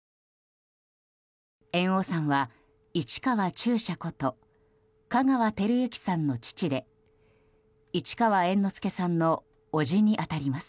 猿翁さんは市川中車こと香川照之さんの父で市川猿之助さんの伯父に当たります。